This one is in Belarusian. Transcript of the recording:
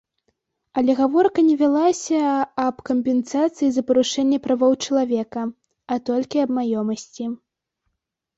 Але гаворка не вялася аб кампенсацыі за парушэнне правоў чалавека, а толькі аб маёмасці.